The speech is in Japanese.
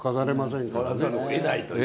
触らざるをえないという。